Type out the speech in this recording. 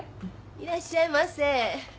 いらっしゃいませ。